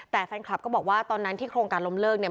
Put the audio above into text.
แต่แฟนคลับก็บอกว่าตอนนั้นที่โครงการล้มเลิกเนี่ย